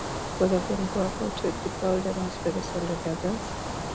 Both of them go about to dispel demons by the sound of their bells.